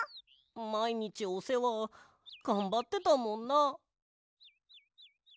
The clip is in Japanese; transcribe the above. まいにちおせわがんばってたもんな。